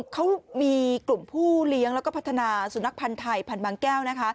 เขามีกลุ่มผู้เลี้ยงแล้วก็พัฒนาสูณรักษณ์ภัณฑ์ไทยภัณฑ์บางแก้ว